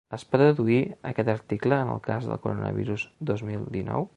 Es pot adduir aquest article en el cas del coronavirus dos mil dinou?